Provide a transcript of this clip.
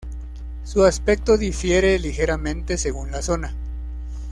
Su aspecto difiere ligeramente según la zona.